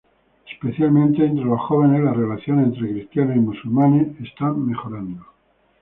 Especialmente entre los jóvenes, las relaciones entre Cristianos y Musulmanes están mejorando.